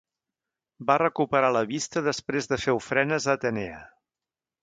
Va recuperar la vista després de fer ofrenes a Atenea.